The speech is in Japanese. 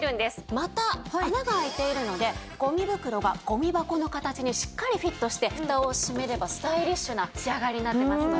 また穴が開いているのでゴミ袋がゴミ箱の形にしっかりフィットしてフタを閉めればスタイリッシュな仕上がりになってますので。